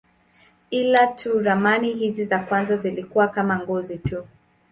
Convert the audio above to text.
Ila tu ramani hizi za kwanza zilikuwa kama njozi tu.